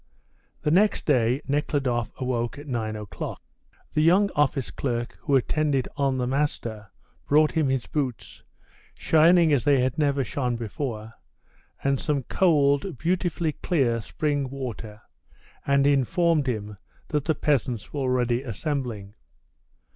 The next day Nekhludoff awoke at nine o'clock. The young office clerk who attended on "the master" brought him his boots, shining as they had never shone before, and some cold, beautifully clear spring water, and informed him that the peasants were already assembling.